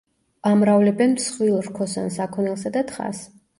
ამრავლებენ მსხვილ რქოსან საქონელსა და თხას.